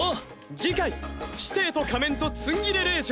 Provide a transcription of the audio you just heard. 次回「師弟と仮面とツンギレ令嬢」。